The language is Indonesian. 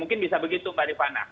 mungkin bisa begitu mbak rifana